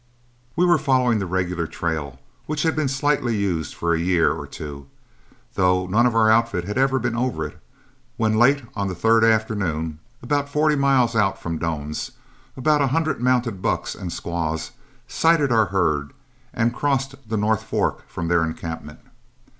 We were following the regular trail, which had been slightly used for a year or two, though none of our outfit had ever been over it, when late on the third afternoon, about forty miles out from Doan's, about a hundred mounted bucks and squaws sighted our herd and crossed the North Fork from their encampment.